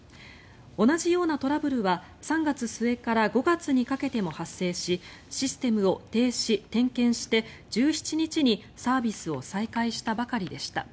同じようなトラブルは３月末から５月にかけても発生しシステムを停止・点検して１７日にサービスを再開したばかりでした。